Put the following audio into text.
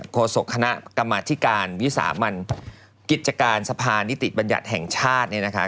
โฆษกคณะกรรมอาทิการวิสามันกิจการสะพานนิติบัญญัติแห่งชาติ